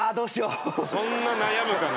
そんな悩むかな。